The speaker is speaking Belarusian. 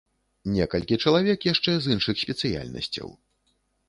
Некалькі чалавек яшчэ з іншых спецыяльнасцяў.